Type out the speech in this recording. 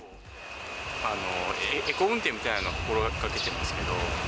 エコ運転みたいなのを心がけてますけど。